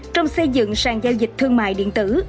trong xây dựng sàn giao dịch thương mại điện tử